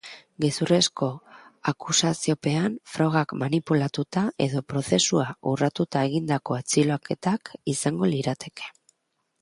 Gezurrezko akusaziopean, frogak manipulatuta edo prozesua urratuta egindako atxiloketak izango lirateke horiek.